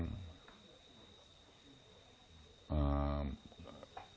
ada juga yang memberi uang